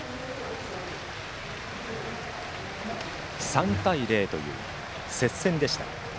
３対０という接戦でした。